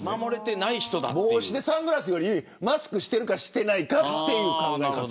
帽子とサングラスよりマスクをしているかしてないかという考え方。